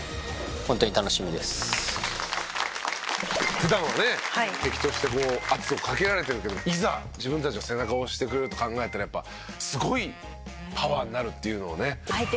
普段はね敵としてこう圧をかけられてるけどいざ自分たちの背中を押してくれると考えたらやっぱすごいパワーになるっていうのをね。